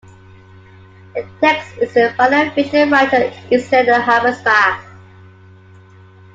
The text is by the Frisian writer Eeltsje Halbertsma.